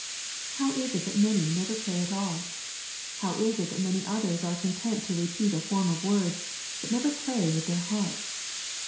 How is it that many never pray at all ? How is it that many others are content to repeat a form of words, but never pray with their hearts